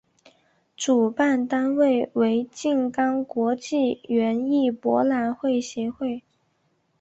主办单位为静冈国际园艺博览会协会。